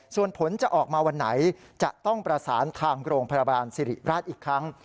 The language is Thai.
ส่วนผลจะออกมาวันไหนจะต้องประสานทางโรงพยาบาลสิริราชอีกครั้ง